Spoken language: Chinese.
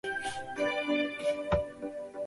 山号为龙口山。